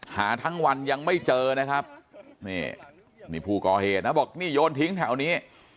หาทั้งวันยังไม่เจอนะครับนี่นี่ผู้ก่อเหตุนะบอกนี่โยนทิ้งแถวนี้